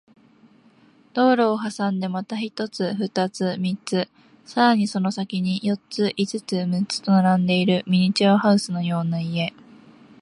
道路を挟んでまた一つ、二つ、三つ、さらにその先に四つ、五つ、六つと並んでいるミニチュアハウスのような家